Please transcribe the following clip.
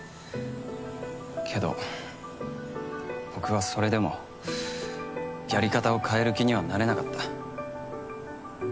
けど僕はそれでもやり方を変える気にはなれなかった。